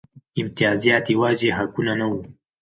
امتیازات یوازې حقونه نه وو.